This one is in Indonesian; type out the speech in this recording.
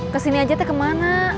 kesini aja teh kemana